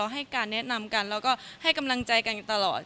ให้การแนะนำกันแล้วก็ให้กำลังใจกันตลอด